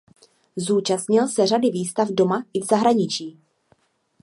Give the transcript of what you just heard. Zúčastnil se řady výstav doma i v zahraničí.